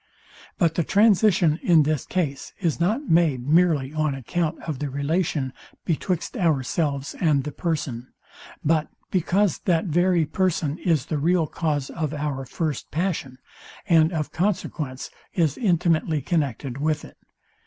But the transition in this case is not made merely on account of the relation betwixt ourselves and the person; but because that very person is the real cause of our first passion, and of consequence is intimately connected with it.